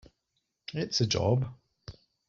It's a job.